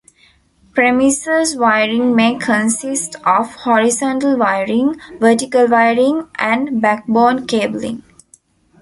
Premises wiring may consist of horizontal wiring, vertical wiring, and backbone cabling.